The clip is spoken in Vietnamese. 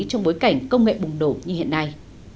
trong bối cảnh công nghệ bùng nổ như hiện nay